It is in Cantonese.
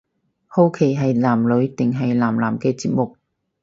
好奇係男女定係男男嘅節目